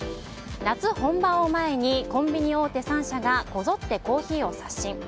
夏本番を前にコンビニ大手３社がこぞってコーヒーを刷新。